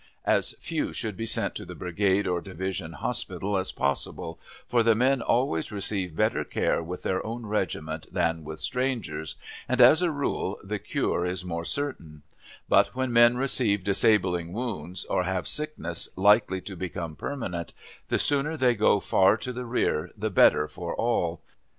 As few should be sent to the brigade or division hospital as possible, for the men always receive better care with their own regiment than with strangers, and as a rule the cure is more certain; but when men receive disabling wounds, or have sickness likely to become permanent, the sooner they go far to the rear the better for all.